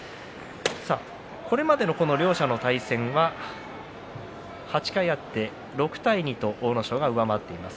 これまでの両者の対戦は８回あって６対２と阿武咲が上回っています。